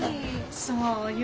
そうよ。